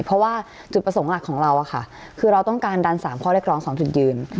เพราะว่าจุดประสงค์หลักของเราคือเราต้องการดัน๓ข้อเรียกร้อง๒จุดยืน